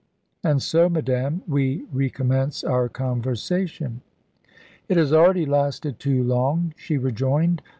And so, madame, we recommence our conversation." "It has already lasted too long," she rejoined.